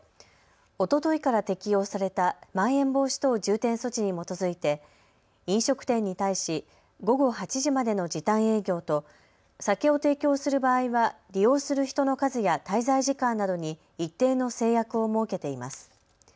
おとといから適用されたまん延防止等重点措置に基づいて飲食店に対し、午後８時までの時短営業と酒を提供する場合は利用する人の数や滞在時間などに一定の制約を設けています。